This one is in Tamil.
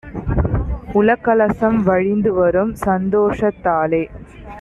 உளக்கலசம் வழிந்துவரும் சந்தோஷத் தாலே